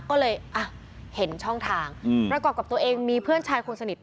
ก็เลยอ่ะเห็นช่องทางประกอบกับตัวเองมีเพื่อนชายคนสนิท